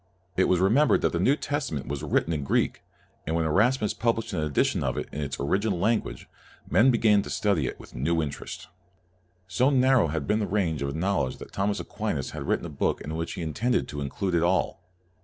It was remembered that the New Testament was written in Greek, and when Erasmus published an edition of it in its CALVIN 101 original language, men began to study it with a new interest. So narrow had been the range of knowledge that Thomas Aquinas had written a book in which he intended to include it all!